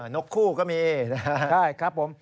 นกคู่ก็มีนะครับใช่ครับผม